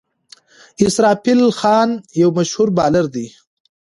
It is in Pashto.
اسرافیل خان یو مشهور بالر دئ.